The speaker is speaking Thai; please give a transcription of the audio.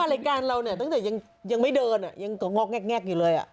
รายการเราเนี่ยตั้งแต่ยังไม่เดินยังงอกแงกอยู่เลย